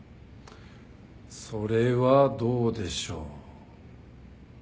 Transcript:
それはどうでしょう。